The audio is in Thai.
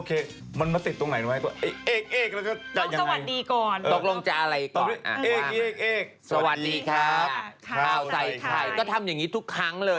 เอานี่นักกันดีกว่าเอาอยู่คือแน่